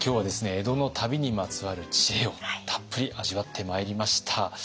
江戸の旅にまつわる知恵をたっぷり味わってまいりました。